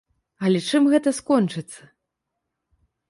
Але чым гэта скончыцца?